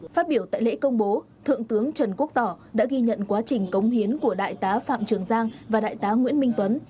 phát biểu tại lễ công bố thượng tướng trần quốc tỏ đã ghi nhận quá trình cống hiến của đại tá phạm trường giang và đại tá nguyễn minh tuấn